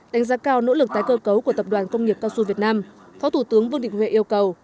đánh giá cao nỗ lực tái cơ cấu của tập đoàn công nghiệp cao su việt nam phó thủ tướng vương đình huệ yêu cầu